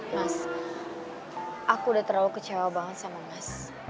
mas aku udah terlalu kecewa banget sama mas